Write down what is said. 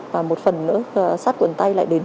và một phần nữa sát quần tay lại đến